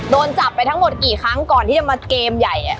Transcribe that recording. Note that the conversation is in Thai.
โดนจับไปทั้งหมดกี่ครั้งก่อนที่จะมาเกมใหญ่